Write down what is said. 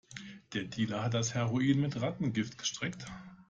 Der Dealer hat das Heroin mit Rattengift gestreckt.